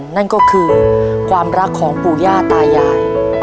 นั่นก็คือความรักของปู่ย่าตายาย